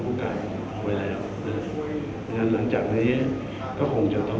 พระทุกข์ก่อนไว้แล้วแล้วหลังจากนี้ก็คงจะต้อง